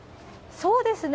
そうですね。